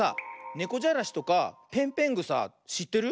ねこじゃらしとかぺんぺんぐさしってる？